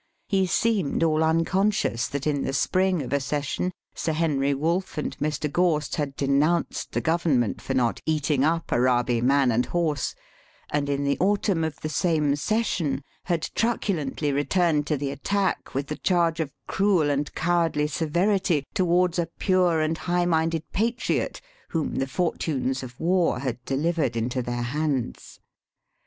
He seemed all unconscious that in the spring of a session Sir Henry Wolff and Mr. Gorst had denounced the Government for not eating up Arabi, man and horse, and in the autumn of the same session had truculently returned to the attack with the charge of cruel and cowardly severity towards a pure and high minded patriot whom the fortunes of war had delivered into their hands.